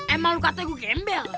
emang lu katanya gua gembel